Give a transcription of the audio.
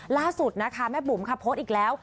ล่าสุดนะคะแม่บุ๋มค่ะโพสต์อีกแล้ว